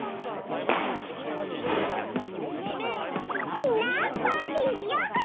みんなパーティーにようこそ！